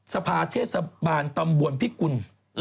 สภาเทศบาลตำบลพิกุล